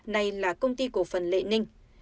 này là công ty cổ phần lệ ninh